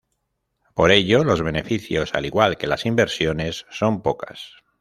Por ello, los beneficios al igual que las inversiones son pocas.